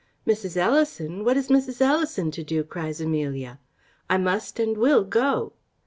"Mrs. Ellison! what is Mrs. Ellison to do?" cries Amelia: "I must and will go."